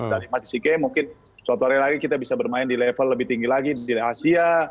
dari masjid sike mungkin suatu hari lagi kita bisa bermain di level lebih tinggi lagi di asia